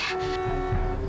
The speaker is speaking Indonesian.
sesuatu yang sangat penting